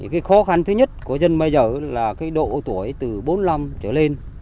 khó khăn thứ nhất của dân bây giờ là độ tuổi từ bốn năm trở lên